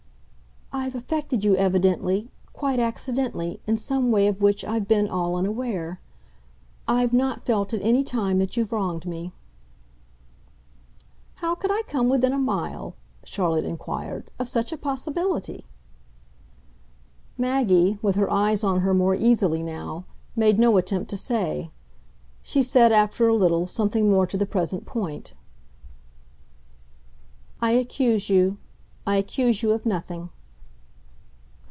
"I've affected you evidently quite accidentally in some way of which I've been all unaware. I've NOT felt at any time that you've wronged me." "How could I come within a mile," Charlotte inquired, "of such a possibility?" Maggie, with her eyes on her more easily now, made no attempt to say; she said, after a little, something more to the present point. "I accuse you I accuse you of nothing."